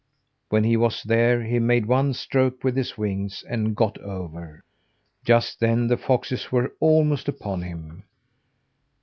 When he was there, he made one stroke with his wings, and got over. Just then the foxes were almost upon him.